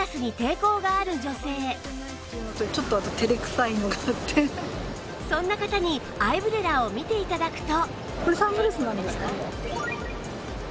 こちらはそんな方にアイブレラを見て頂くと